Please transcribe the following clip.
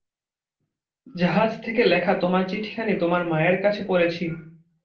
জাহাজ থেকে লেখা তোমার চিঠিখানি তোমার মায়ের কাছে পড়েছি।